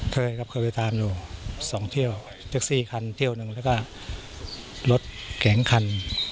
เคยครับเคยไปตามอยู่สองเที่ยวแท็กซี่คันเที่ยวหนึ่งแล้วก็รถแข็งคัน